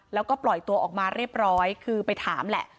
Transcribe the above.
แล้วก็ปล่อยตัวออกมาเรียบร้อยคือไปถามแหละ